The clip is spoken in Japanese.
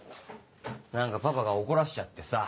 何かパパが怒らしちゃってさ